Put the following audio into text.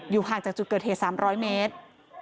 ห่างจากจุดเกิดเหตุ๓๐๐เมตร